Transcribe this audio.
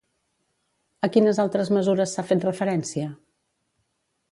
A quines altres mesures s'ha fet referència?